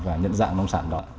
và nhận dạng nông sản đó